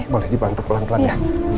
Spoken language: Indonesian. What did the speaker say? boleh dibantu pelan pelan ya